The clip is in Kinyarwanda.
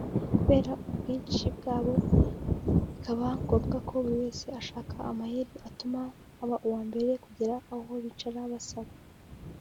kubera ubwinsi bwabo bikaba ngombwa ko buri wese ashaka amayeri atuma aba uwa mbere kugera aho bicara basaba